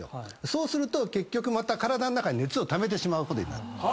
そうすると結局また体の中に熱をためてしまうことになる。